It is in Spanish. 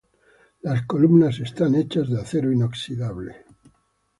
Las columnas están hechas de acero inoxidable.